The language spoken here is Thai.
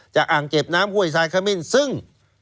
อ่างเก็บน้ำห้วยทรายขมิ้นซึ่ง